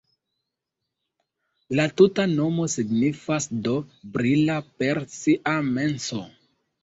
La tuta nomo signifas do: brila per sia menso.